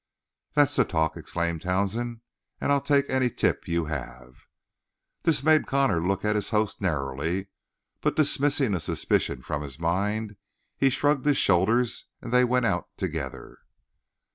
"That's the talk!" exclaimed Townsend. "And I'll take any tip you have!" This made Connor look at his host narrowly, but, dismissing a suspicion from his mind, he shrugged his shoulders, and they went out together.